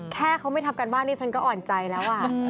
แค่เขาไม่ทำการบ้านนี่ฉันก็อ่อนใจแล้ว